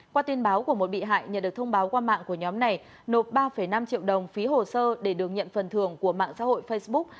qua tin báo của một bị hại nhận được thông báo qua mạng của nhóm này nộp ba năm triệu đồng phí hồ sơ để được nhận phần thưởng của mạng xã hội facebook